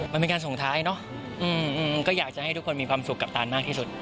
มันเป็นการส่งท้ายเนอะก็อยากจะให้ทุกคนมีความสุขกับตานมากที่สุด